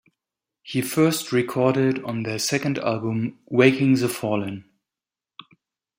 He first recorded on their second album "Waking the Fallen".